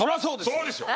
そうでしょ！